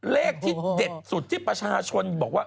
เลขที่เด็ดสุดที่ประชาชนบอกว่า